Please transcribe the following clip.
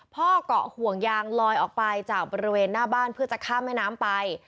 เกาะห่วงยางลอยออกไปจากบริเวณหน้าบ้านเพื่อจะข้ามแม่น้ำไป